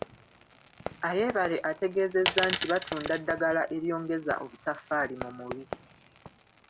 Ayebare ategeezezza nti batunda ddagala eryongeza obutafaali mu mubiri.